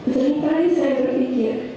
selingkali saya berpikir